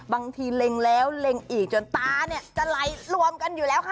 บางทีเล็งแล้วเล็งอีกจนตาเนี่ยจะไหลรวมกันอยู่แล้วค่ะ